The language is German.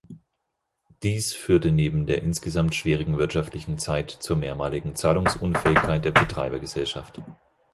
Dies führte neben der insgesamt schwierigen wirtschaftlichen Zeit zur mehrmaligen Zahlungsunfähigkeit der Betreibergesellschaft.